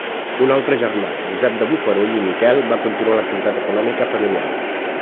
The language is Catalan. Un altre germà, Josep de Bofarull i Miquel, va continuar l'activitat econòmica familiar.